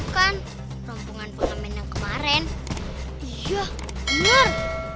kan rumpungan pengamen yang kemarin iya bener